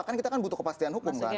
kan kita kan butuh kepastian hukum kan